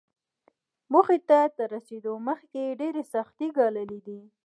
موخې ته تر رسېدو مخکې يې ډېرې سختۍ ګاللې دي.